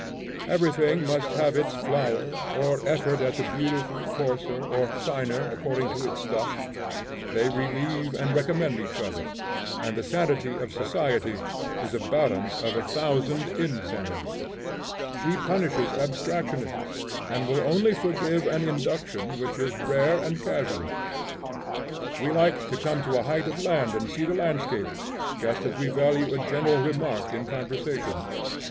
Everything must have its flower or effort at the beautiful, coarser or finer according to its stuff. They relieve and recommend each other, and the sanity of society is a balance of a thousand insanities. She punishes abstractionists, and will only forgive an induction which is rare and casual. We like to come to a height of land and see the landscape, just as we value a general remark in conversation.